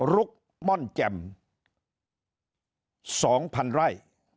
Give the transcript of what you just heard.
ลุกม่อนแจ่ม๒๐๐๐ไร่